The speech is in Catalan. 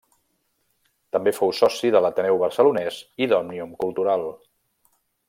També fou soci de l'Ateneu Barcelonès i d'Òmnium Cultural.